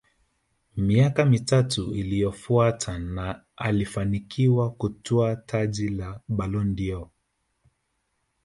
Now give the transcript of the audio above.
miaka mitatu iliyofuata na alifanikiwa kutwaa taji la Ballon dâOr